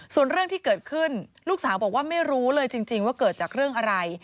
ส่วนเรื่องที่เกิดขึ้นลูกสาวบอกว่าไม่รู้เลยจริงว่าเกิดจากเรื่องอะไร